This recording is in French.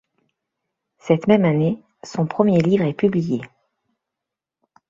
Cette même année, son premier livre est publié.